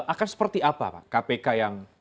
akan seperti apa pak kpk yang